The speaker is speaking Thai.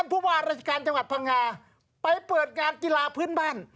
ผู้ว่าราชการจังหวัดพังงาไปเปิดงานกีฬาพื้นบ้าน